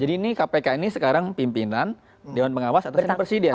jadi ini kpk ini sekarang pimpinan dewan pengawas atau presiden